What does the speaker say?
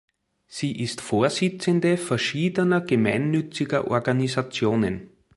Sie ist Vorsitzende verschiedener gemeinnütziger Organisationen.